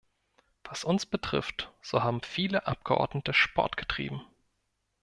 Was uns betrifft, so haben viele Abgeordnete Sport getrieben.